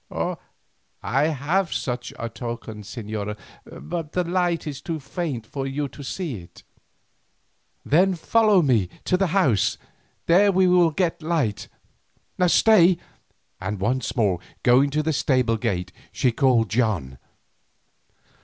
"I have such a token, señora, but the light is too faint for you to see it." "Then follow me to the house, there we will get light. Stay," and once more going to the stable gate, she called "John."